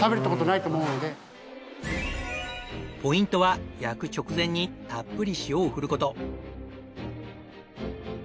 ポイントは焼く直前にたっぷり塩を振る事。